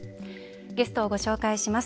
ゲストをご紹介します。